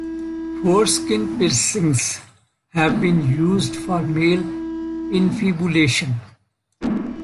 Foreskin piercings have been used for male infibulation.